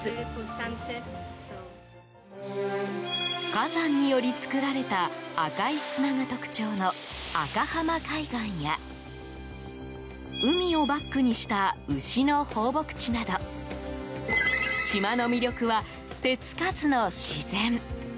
火山により作られた赤い砂が特徴の赤浜海岸や海をバックにした牛の放牧地など島の魅力は、手つかずの自然。